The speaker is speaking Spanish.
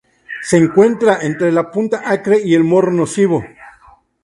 Se encuentra entre la punta Acre y el morro Nocivo.